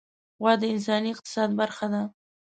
غوا د انساني اقتصاد برخه ده.